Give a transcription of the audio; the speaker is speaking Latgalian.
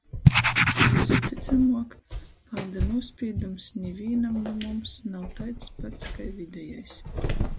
Vysu tycamuok, pāda nūspīdums nivīnam nu mums nav taids pats kai videjais.